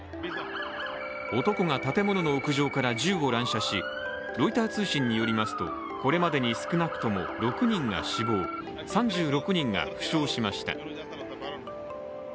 男が建物の屋上から銃を乱射しロイター通信によりますとこれまでに少なくとも６人が死亡３６人が負傷しました。